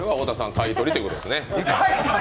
買い取りってことですね。